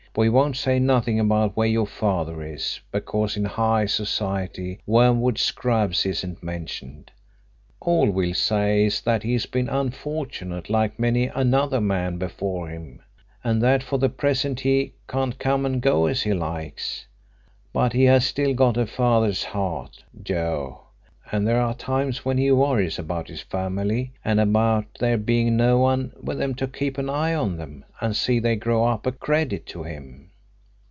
We won't say nothing about where your father is, because in high society Wormwood Scrubbs isn't mentioned. All we'll say is that he has been unfortunate like many another man before him, and that for the present he can't come and go as he likes. But he has still got a father's heart, Joe, and there are times when he worries about his family and about there being no one with them to keep an eye on them and see they grow up a credit to him.